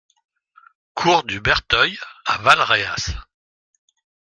Cours du Berteuil à Valréas